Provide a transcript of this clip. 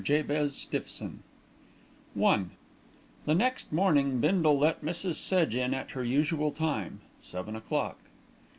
JABEZ STIFFSON I The next morning Bindle let Mrs. Sedge in at her usual time, seven o'clock.